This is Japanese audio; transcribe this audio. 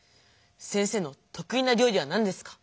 先生のとくいな料理は何ですか？